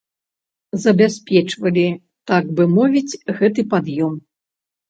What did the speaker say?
Забяспечвалі, так бы мовіць, гэты пад'ём.